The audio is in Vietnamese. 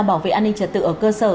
bảo vệ an ninh trật tự ở cơ sở